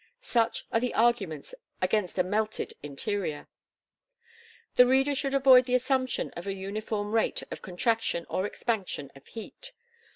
Such are the arguments against a melted interior. The reader should avoid the assumption of a uniform rate of contraction or expansion of heat.